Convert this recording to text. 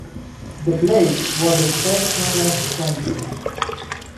The place was at first known as Scranton.